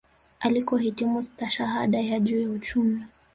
Alikohitimu stashahada ya juu ya uchumi